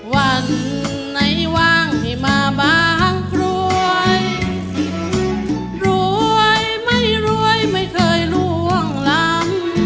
วันไหนว่างให้มาบางกรวยรวยไม่รวยไม่เคยล่วงลำ